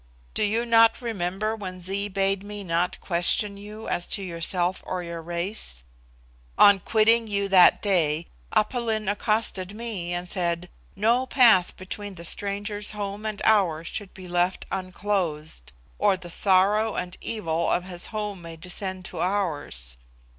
Do you not remember when Zee bade me not question you as to yourself or your race? On quitting you that day, Aph Lin accosted me, and said, 'No path between the stranger's home and ours should be left unclosed, or the sorrow and evil of his home may descend to ours.